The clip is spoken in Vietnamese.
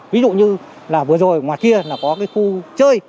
ví dụ như vừa rồi ngoài kia là có khu chơi